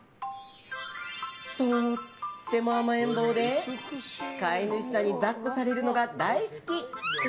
とっても甘えん坊で飼い主さんに抱っこされるのが大好き。